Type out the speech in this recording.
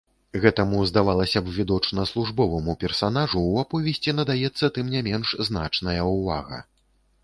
Гэтаму, здавалася б, відочна службоваму персанажу ў аповесці надаецца тым не менш значная ўвага.